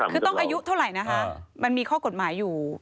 คือต้องอายุเท่าไหร่นะคะมันมีข้อกฎหมายอยู่